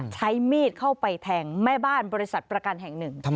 ใช้มีดเข้าไปแทงแม่บ้านบริษัทประกันแห่งหนึ่ง